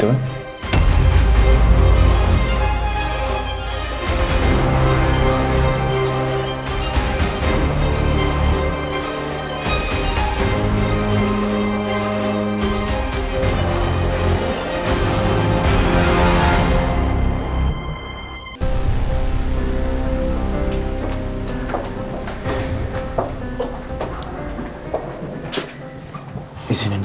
udah hilang bi